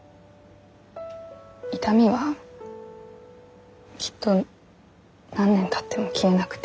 痛みはきっと何年たっても消えなくて。